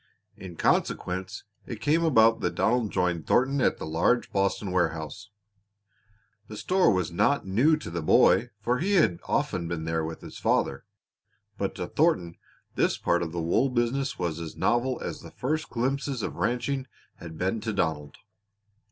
In consequence it came about that Donald joined Thornton at the large Boston warehouse. The store was not new to the boy, for he had often been there with his father; but to Thornton this part of the wool business was as novel as the first glimpses of ranching had been to Donald.